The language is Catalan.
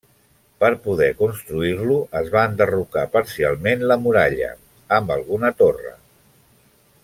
Per poder construir-lo, es va enderrocar parcialment la muralla, amb alguna torre.